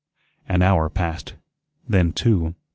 An hour passed. Then two.